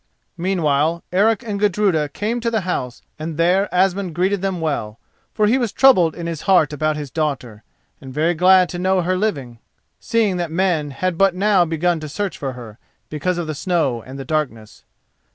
Meanwhile Eric and Gudruda came to the house and there Asmund greeted them well, for he was troubled in his heart about his daughter, and very glad to know her living, seeing that men had but now begun to search for her, because of the snow and the darkness.